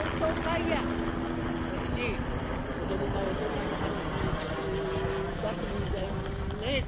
「政吉子どもが大人の話に口出すもんじゃねえぞ」。